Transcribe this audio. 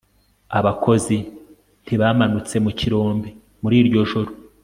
Abakozi ntibamanutse mu kirombe muri iryo joro